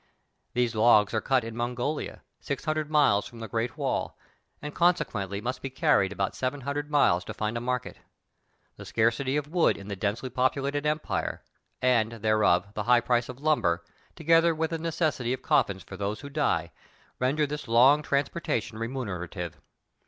These logs are cut in Mongolia, six hundred miles from the great wall, and con sequently must be carried about seven hundred miles to find a market. The scarcity of wood in the densely populated empire, and, therefore, the high price of lumber, together with the necessity of coffins for those who die, render this long trans portation remunerative.